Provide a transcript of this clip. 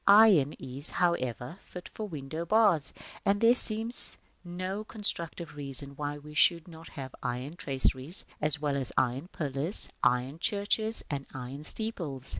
Iron is, however, fit for window bars, and there seems no constructive reason why we should not have iron traceries, as well as iron pillars, iron churches, and iron steeples.